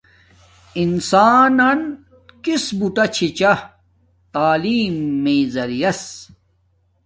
انسانن کس بوٹا چھی چھا تعلیم میݵ زریعس